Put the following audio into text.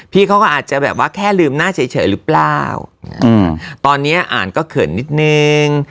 พี่เขาก็อาจจะแบบว่าแค่ลืมหน้าเฉยหรือเปล่าตอนเนี้ยอ่านก็เขินนิดนึง